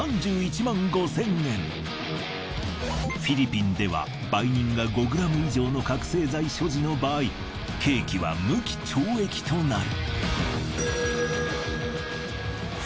フィリピンでは売人が５ｇ以上の覚せい剤所持の場合刑期は無期懲役となる。